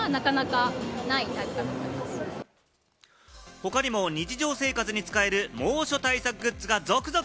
他にも日常生活に使える猛暑対策グッズが続々。